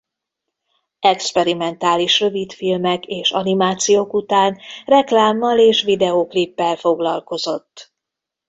Experimentális rövidfilmek és animációk után reklámmal és videóklippel foglalkozott.